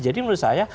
jadi menurut saya